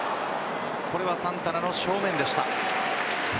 これはサンタナの正面でした。